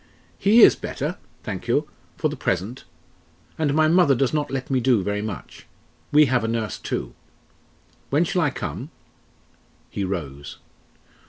"He is better, thank you for the present. And my mother does not let me do very much. We have a nurse too. When shall I come?" He rose.